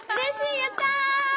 やった！